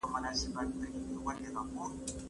اشرف المخلوقات باید د نورو مخلوقاتو ساتنه وکړي.